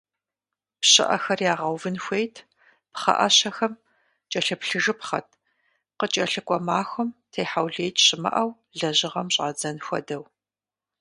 ПщыӀэхэр ягъэувын хуейт, пхъэӀэщэхэм кӀэлъыплъыжыпхъэт, къыкӀэлъыкӀуэ махуэм техьэулеикӀ щымыӀэу лэжьыгъэм щӀадзэн хуэдэу.